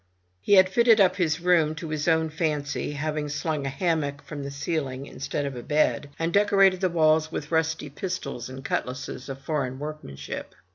He had fitted up his room to his own fancy, having slung a hammock from the ceiling instead of a bed, and decorated the walls with rusty pistols and cutlasses of foreign workmanship.